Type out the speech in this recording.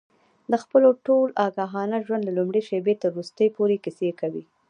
د خپل ټول آګاهانه ژوند له لومړۍ شېبې تر وروستۍ پورې کیسې کوي.